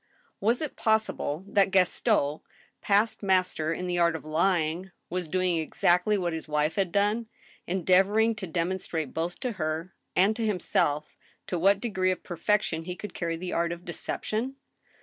Was it possiWe that Gaston, past master in the art of lying, was doing exactly what his wife had done, endeavoring to demon strate both to her, and to himself to what deg^e of perfection he could carry the art of deception